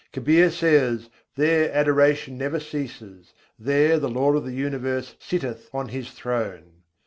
Kabîr says: "There adoration never ceases; there the Lord of the Universe sitteth on His throne."